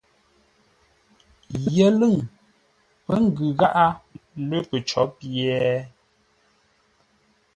Yəlʉ̂ŋ pə́ ngʉ gháʼá lə̂ pəcó pye?